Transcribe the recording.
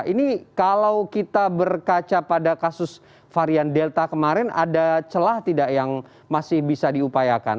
ini kalau kita berkaca pada kasus varian delta kemarin ada celah tidak yang masih bisa diupayakan